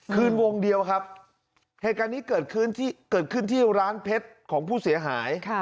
คืนวงเดียวครับเหตุการณ์นี้เกิดขึ้นที่ร้านเพชรของผู้เสียหาย